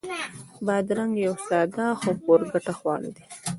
بادرنګ یو ساده خو پُرګټه خواړه دي.